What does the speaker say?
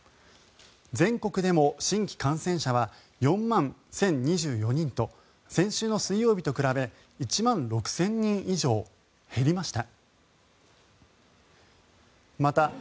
全国でも新規感染者は４万１０２４人と先週の水曜日と比べ１万６０００人以上減りました。